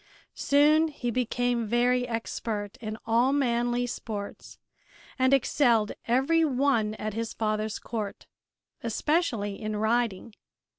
Soon he became very expert in all manly sports and excelled every one at his father's court, especially in riding.